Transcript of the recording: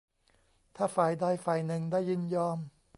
ถ้าฝ่ายใดฝ่ายหนึ่งได้ยินยอม